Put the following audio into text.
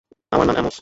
আমার নাম অ্যামোস।